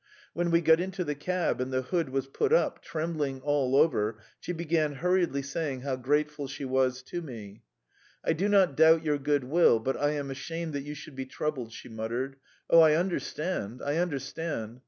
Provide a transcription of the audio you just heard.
When we got into the cab and the hood was put up, trembling all over, she began hurriedly saying how grateful she was to me. "I do not doubt your good will, but I am ashamed that you should be troubled," she muttered. "Oh, I understand, I understand. ...